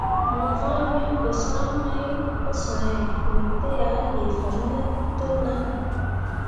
Mo vãã we pəsam mai pəsãhe, me tə a lee fan ne təʼnanne.